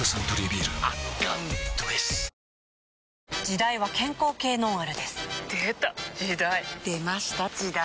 時代は健康系ノンアルですでた！時代！出ました！時代！